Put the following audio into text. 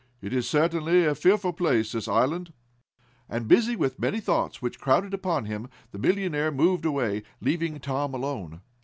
It is certainly a fearful place this island," and busy with many thoughts, which crowded upon him, the millionaire moved away, leaving Tom alone.